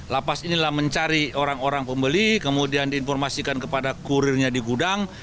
lapas inilah mencari orang orang pembeli kemudian diinformasikan kepada kurirnya di gudang